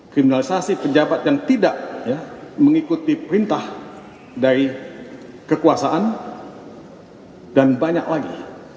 kriminalisasi pejabat yang tidak mengikuti perintah dari kekuasaan dan banyak lagi